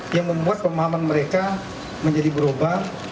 yang membuat pemahaman mereka menjadi berubah